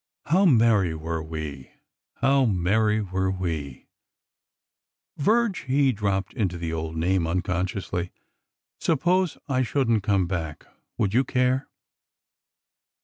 How merry were we! how merry were we I" '' Virge !" He dropped into the old name uncon sciously. Suppose I should n't come back. Would you care